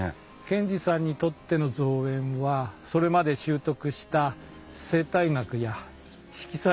賢治さんにとっての造園はそれまで修得した生態学や色彩